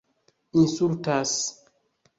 insultas